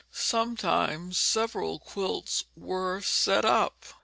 Sometimes several quilts were set up.